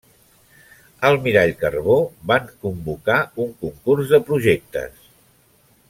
Almirall Carbó van convocar un concurs de projectes.